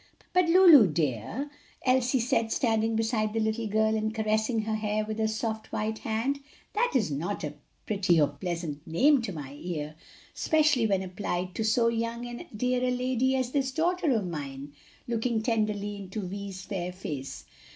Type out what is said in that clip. "But Lulu, dear," Elsie said, standing beside the little girl, and caressing her hair with her soft white hand, "that is not a pretty or pleasant name to my ear; especially when applied to so young and dear a lady as this daughter of mine," looking tenderly into Vi's fair face.